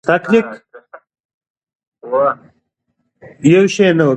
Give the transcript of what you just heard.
دغه دوست ماته لږه خمیره راکړه.